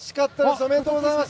おめでとうございます。